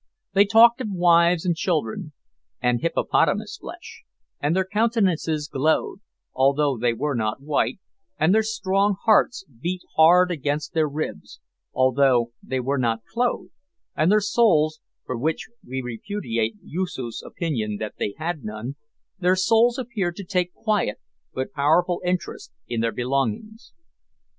They talked of wives and children, and hippopotamus flesh; and their countenances glowed although they were not white and their strong hearts beat hard against their ribs although they were not clothed, and their souls (for we repudiate Yoosoof's opinion that they had none), their souls appeared to take quiet but powerful interest in their belongings.